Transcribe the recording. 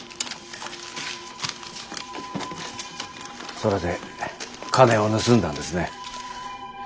それで金を盗んだんですね。